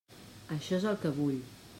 Això és el que vull.